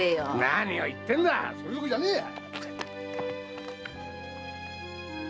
何を言ってんだそれどころじゃねえや！